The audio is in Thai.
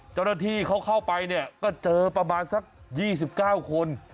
เจ้าหน้าที่เขาเข้าไปเนี่ยก็เจอประมาณสัก๒๙คน